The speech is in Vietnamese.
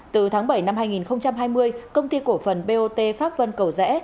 từ tháng bảy năm hai nghìn hai mươi công ty cổ phần bot pháp vân cầu rẽ